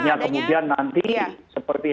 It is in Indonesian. hanya kemudian nanti seperti